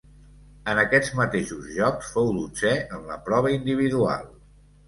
En aquests mateixos Jocs fou dotzè en la prova individual.